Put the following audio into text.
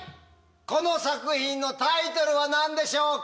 この作品のタイトルは何でしょうか？